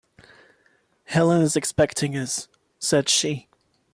"Helene is expecting us," said she.